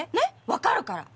わかるから。